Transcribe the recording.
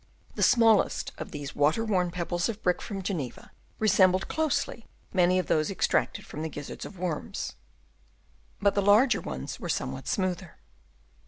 The smallest of these water worn pebbles of brick from Geneva resembled closely many of those extracted from the gizzards of worms, but the larger ones were somewhat smoother.